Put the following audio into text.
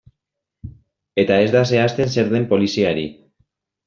Eta ez da zehazten zer den poliziari.